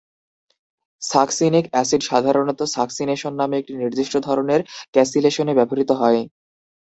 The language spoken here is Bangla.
সাক্সিনিক অ্যাসিড সাধারণত "সাক্সিনেশন" নামে একটি নির্দিষ্ট ধরনের ক্যাসিলেশনে ব্যবহৃত হয়।